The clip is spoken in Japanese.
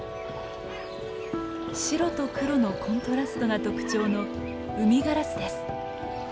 白と黒のコントラストが特徴のウミガラスです。